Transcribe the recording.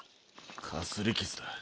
かすり傷だ。